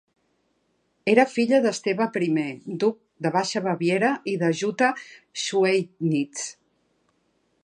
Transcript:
Era filla d'Esteve I, duc de Baixa Baviera i de Jutta Schweidnitz.